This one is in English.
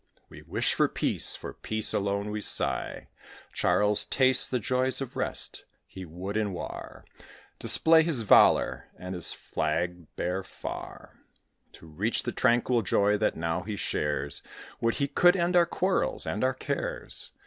We wish for peace for peace alone we sigh; Charles tastes the joys of rest: he would in war Display his valour, and his flag bear far, To reach the tranquil joy that now he shares. Would he could end our quarrels and our cares!